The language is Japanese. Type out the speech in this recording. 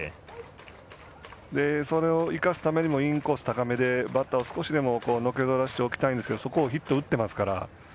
それを生かすためにもインコース高めでバッターを少しでものけぞらせておきたいんですけどそこをヒット打ってますから。